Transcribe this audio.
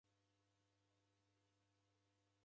Lola mundu wokutesia.